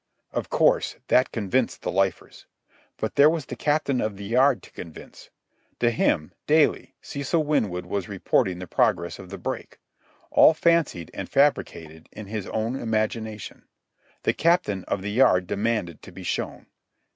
Of course, that convinced the lifers. But there was the Captain of the Yard to convince. To him, daily, Cecil Winwood was reporting the progress of the break—all fancied and fabricated in his own imagination. The Captain of the Yard demanded to be shown.